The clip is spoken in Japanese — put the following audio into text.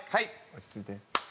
落ち着いて。